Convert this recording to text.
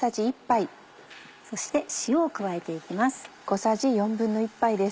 そして塩を加えて行きます。